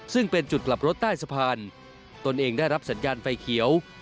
ซึ่งเป็นจุดกลับรถใต้สะพานตนเองได้รับสัญญาณไฟเขียว